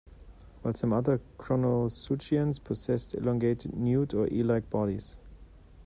While some other Chroniosuchians possessed elongated newt- or eel-like bodies.